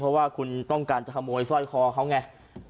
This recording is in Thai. เพราะว่าคุณต้องการจะขโมยสร้อยคอเขาไง